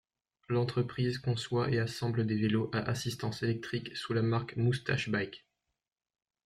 L'entreprise conçoit et assemble des vélos à assistance électrique sous la marque Moustache Bikes.